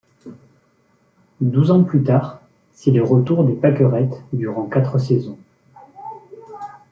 Douze ans plus tard, c'est le retour des Packerettes durant quatre saisons.